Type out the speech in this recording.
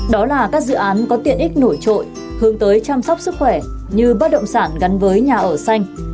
đó là các dự án có tiện ích nổi trội hướng tới chăm sóc sức khỏe như bất động sản gắn với nhà ở xanh